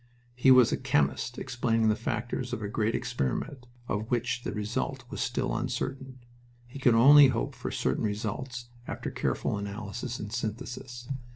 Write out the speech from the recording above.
He was a chemist explaining the factors of a great experiment of which the result was still uncertain. He could only hope for certain results after careful analysis and synthesis.